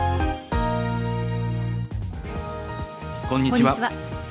こんにちは。